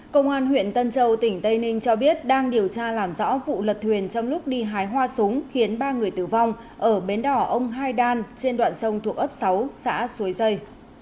công an huyện tân châu tỉnh tây ninh cho biết đang điều tra làm rõ vụ lật thuyền trong lúc đi hái hoa súng khiến ba người tử vong ở bến đỏ ông hai đan trên đoạn sông thuộc ấp sáu xã suối dây